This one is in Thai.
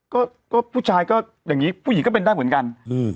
ก็ก็ผู้ชายก็อย่างนี้ผู้หญิงก็เป็นได้เหมือนกัน